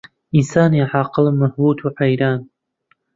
ئینسانی عاقڵ مەبهووت و حەیران